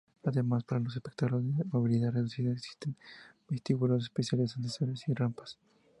Además, para los espectadores de movilidad reducida existen vestíbulos especiales, ascensores y rampas.